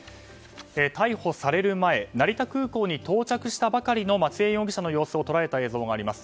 逮捕される前成田空港に到着したばかりの松江容疑者の様子を捉えた映像があります。